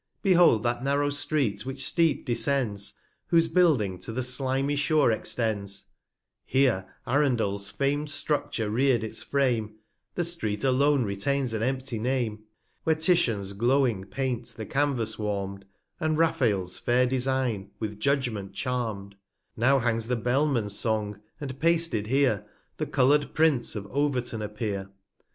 Behold that narrow Street, which steep descends, Whose Building to the slimy Shore extends ; 360 Here ArundelFs fam'd Structure rear'd its Frame, The Street alone retains an empty Name: Where Titian glowing Paint the Canvas warm'd, And Raphael's fair Design, with Judgment, charm'd, Now hangs the Bell man's Song, and pasted here, The colour'd Prints of Overton appear.